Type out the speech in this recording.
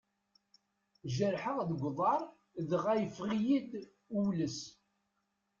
Jerḥeɣ deg uḍar dɣa yeffeɣ-iyi-d uwles.